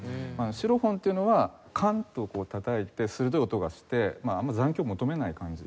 シロフォンというのはカンッとこうたたいて鋭い音がしてあまり残響を求めない感じ。